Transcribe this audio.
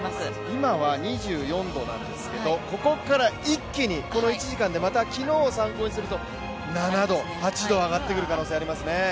今は２４度なんですけどここから一気に、この１時間でまた昨日を参考にすると７度、８度上がってくる可能性がありますね。